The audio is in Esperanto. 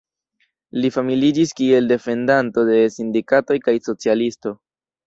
Li famiĝis kiel defendanto de sindikatoj kaj socialisto.